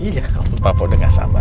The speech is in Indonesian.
iya kalau papa udah gak sabar